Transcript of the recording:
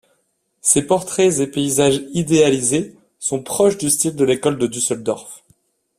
Ses portraits et paysages idéalisés sont proches du style de l'école de Düsseldorf.